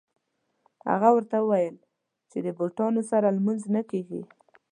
هغه ورته وویل چې د بوټانو سره لمونځ نه کېږي.